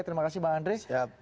terima kasih bang andre